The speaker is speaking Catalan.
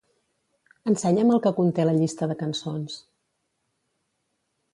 Ensenya'm el que conté la llista de cançons.